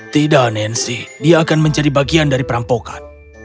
tidak nancy dia akan mencari bagian dari perampokan